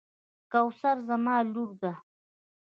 کوثر زما لور ده.